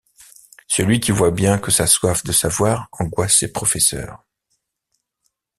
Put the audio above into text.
Celui qui voit bien que sa soif de savoir angoisse ses professeurs.